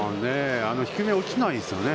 低めが落ちないですね。